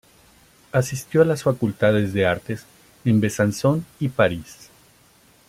Asistió a las facultades de artes en Besanzón y París.